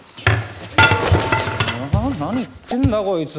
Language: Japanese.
何言ってんだこいつ！